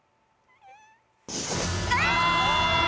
あ！